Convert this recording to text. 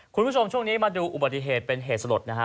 คุณผู้ชมช่วงนี้มาดูอุบัติเหตุเป็นเหตุสลดนะฮะ